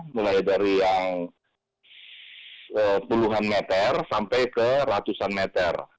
mulai dari yang puluhan meter sampai ke ratusan meter